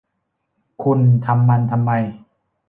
คุณทำมันทำไม